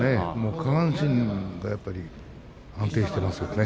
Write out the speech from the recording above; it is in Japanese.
下半身が安定していますよね。